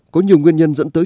có nhiều nguyên nhân dẫn tới